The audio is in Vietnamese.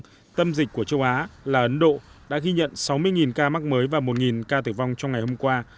trong tâm dịch của châu á là ấn độ đã ghi nhận sáu mươi ca mắc mới và một ca tử vong trong ngày hôm qua